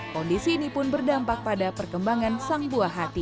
kondisi ini pun berdampak pada perkembangan sang buah hati